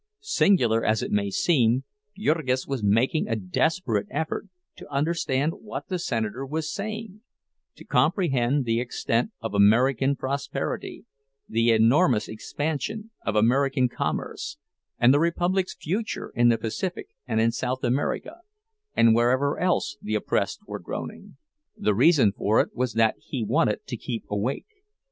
Singular as it may seem, Jurgis was making a desperate effort to understand what the senator was saying—to comprehend the extent of American prosperity, the enormous expansion of American commerce, and the Republic's future in the Pacific and in South America, and wherever else the oppressed were groaning. The reason for it was that he wanted to keep awake.